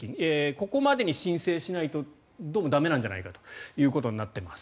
ここまでに申請しないとどうも駄目なんじゃないかということになっています。